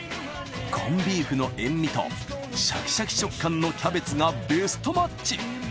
コンビーフの塩味とシャキシャキ食感のキャベツがベストマッチ！